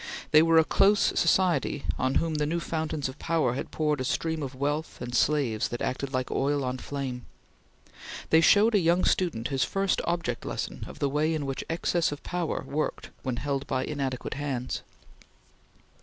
They were a close society on whom the new fountains of power had poured a stream of wealth and slaves that acted like oil on flame. They showed a young student his first object lesson of the way in which excess of power worked when held by inadequate hands.